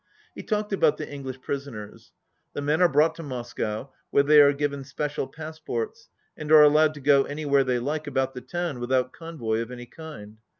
He talked about the English prisoners. The men are brought to Moscow, where they are given special passports and are allowed to go anywhere they like about the town without convoy of any kind.